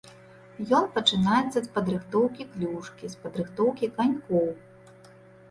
Ён пачынаецца з падрыхтоўкі клюшкі, з падрыхтоўкі канькоў.